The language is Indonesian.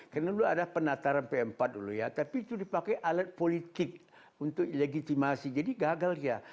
karena dulu ada penataran pempat dulu ya tapi itu dipakai alat politik untuk legitimasi jadi gagal ya